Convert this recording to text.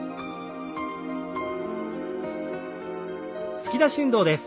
突き出し運動です。